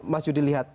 mas yudi lihat